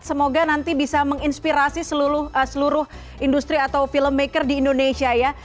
semoga nanti bisa menginspirasi seluruh industri atau filmmaker di indonesia ya